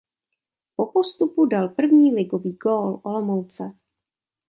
Po postupu dal první ligový gól Olomouce.